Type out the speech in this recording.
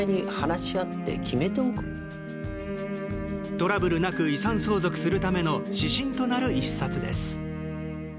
トラブルなく遺産相続するための指針となる１冊です。